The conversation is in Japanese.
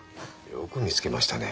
よく見つけましたね。